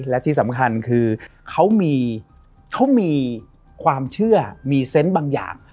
และที่สำคัญคือเขามีความเชื่อมีเซนต์บางอย่าง